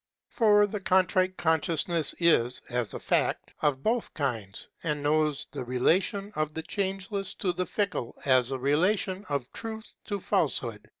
For the Contrite Consciousness is, as a fact, of both kinds, and knows the rela tion of the changeless to the fickle as a relation of truth to false hood.